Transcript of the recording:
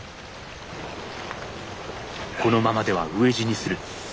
このままでは飢え死にする。